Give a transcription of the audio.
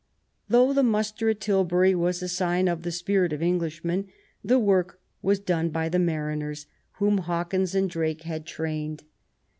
Though the muster at Tilbury was a sign of the spirit of Englishmen, the work was done by the mariners whom Hawkins and Drake had trained.